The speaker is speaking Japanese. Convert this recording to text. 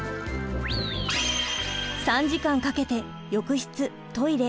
３時間かけて浴室トイレ